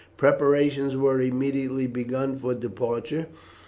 Preparations were immediately begun for departure.